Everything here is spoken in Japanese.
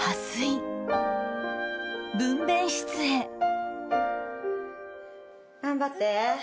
分娩室へ頑張って。